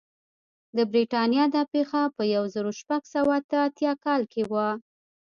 د برېټانیا دا پېښه په یو زرو شپږ سوه اته اتیا کال کې وه.